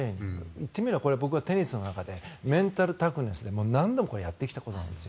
言ってみれば僕はテニスの中でメンタルタフネスで何度もこれ、やってきたことなんです。